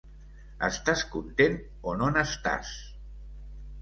Estàs content o no n'estàs?